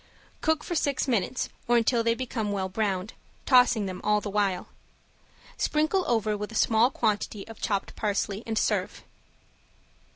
Cook for six minutes, or until they become well browned, tossing them all the while. Sprinkle over with a small quantity of chopped parsley, and serve.